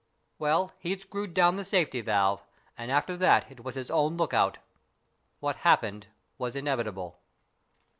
Well, he'd screwed down the safety valve, and after that it was his own look out. What happened was inevitable."